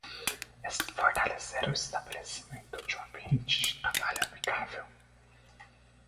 Fortalecer o estabelecimento de um ambiente de trabalho amigável